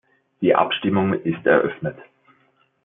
Die Abstimmung ist eröffnet.